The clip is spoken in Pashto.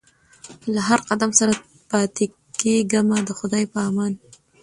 له هر قدم سره پاتېږمه د خدای په امان